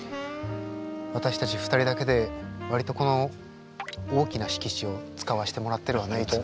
私たち２人だけで割とこの大きな敷地を使わせてもらってるわねいつも。